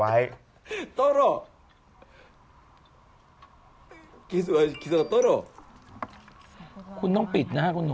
อันนี้เขาอะไรกัน